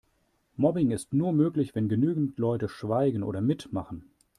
Mobbing ist nur möglich, wenn genügend Leute schweigen oder mitmachen.